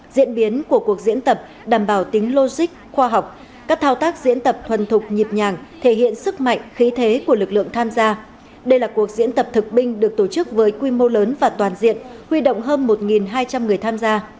diễn biến của cuộc diễn tập đảm bảo tính logic khoa học các thao tác diễn tập thuần thục nhịp nhàng thể hiện sức mạnh khí thế của lực lượng tham gia đây là cuộc diễn tập thực binh được tổ chức với quy mô lớn và toàn diện huy động hơn một hai trăm linh người tham gia